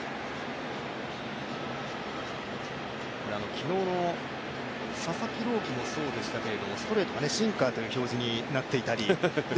昨日の佐々木朗希もそうでしたけれども、ストレートがシンカーという表示になっていたり。